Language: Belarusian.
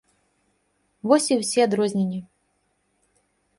Вось і ўсе адрозненні.